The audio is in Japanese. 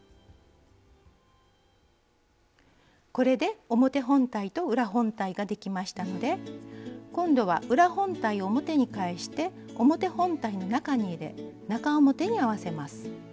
これで表本体と裏本体ができましたので今度は裏本体を表に返して表本体の中に入れ中表に合わせます。